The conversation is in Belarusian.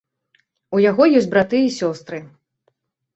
У яго ёсць браты і сёстры.